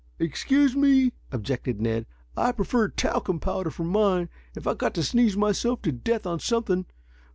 "Excuse me," objected Ned. "I prefer talcum powder for mine, if I've got to sneeze myself to death on something.